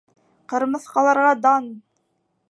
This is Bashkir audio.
Ҡырмыҫҡаларға дан!